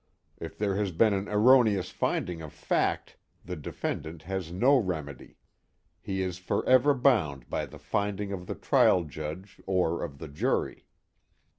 If there has been an erroneous finding of fact the defendant has no remedy. He is forever bound by the finding of the trial judge or of the jury.